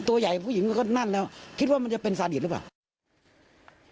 ตัวใหญ่ผู้หญิงก็นั่นแล้วคิดว่ามันจะเป็นซาดิตหรือเปล่า